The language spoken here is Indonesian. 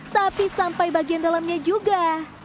tapi sampai bagian dalamnya juga